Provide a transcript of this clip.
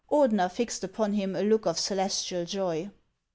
Ordener fixed upon him a look of celestial joy.